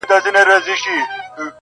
هغه به چاسره خبري کوي.